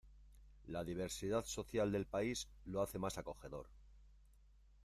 La diversidad social del país lo hace más acogedor.